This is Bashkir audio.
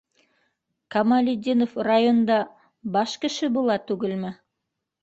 Камалетдинов районда... баш кеше була түгелме?